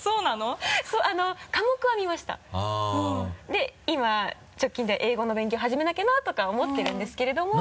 で今直近で英語の勉強始めなきゃなとか思ってるんですけれども。